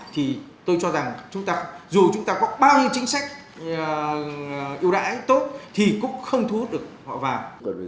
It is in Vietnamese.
thì tôi cho rằng dù chúng ta có bao nhiêu chính sách ưu đãi tốt thì cũng không thu hút được họ vào